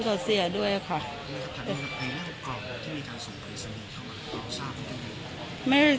ก็เสียด้วยครับ